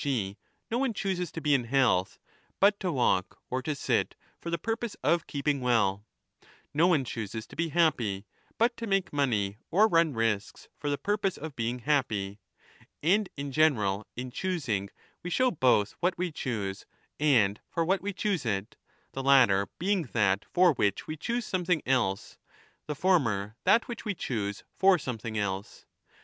g. no one chooses to be in health, but to walk or to sit for the purpose of keeping well ; no one chooses to be 10 happy but to make money or run risks for the purpose of I7 I227» 17 = E.N. nil*' 4 1113^ 12 : cf. A/.M. 1189* i 25. * Cf. 1223* 16 19. BOOK II. lo 1226^ being happy. And in general, in choosing we show both wHat we choose and for what we choose it, the latter being that for which we choose something else, the former that which we choose for something else.